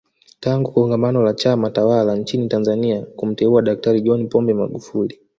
Tangu kongamano la Chama tawala nchini Tanzania kumteua Daktari John Pombe Magufuli